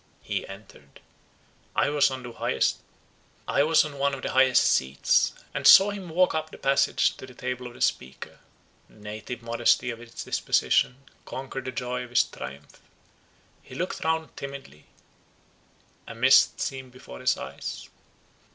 He entered. I was on one of the highest seats, and saw him walk up the passage to the table of the speaker. The native modesty of his disposition conquered the joy of his triumph. He looked round timidly; a mist seemed before his eyes.